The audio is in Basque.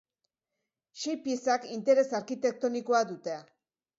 Sei piezak interes arkitektonikoa dute.